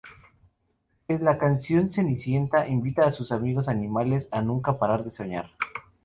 En la canción Cenicienta invita a sus amigos animales a nunca parar de soñar.